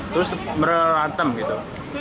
terus berantem gitu